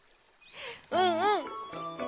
うんうん。